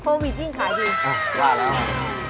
โพวิดจริงขายดีหละล่ะ